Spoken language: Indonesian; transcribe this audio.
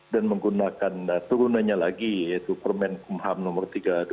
dan menggunakan turunannya lagi yaitu permen kumham nomor tiga dua ribu delapan belas